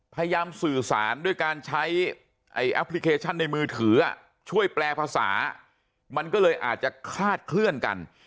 พยายามสื่อสารด้วยการใช้แอปพลิเคชันในมือถือช่วยแปลภาษามันก็เลยอาจจะคลาดเคลื่อนกัน